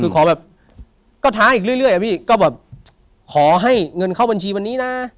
คือขอแบบก็ท้าอีกเรื่อยอะพี่ก็แบบขอให้เงินเข้าบัญชีวันนี้นะ